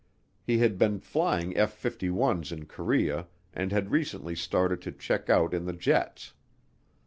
He had been flying F 51's in Korea and had recently started to check out in the jets.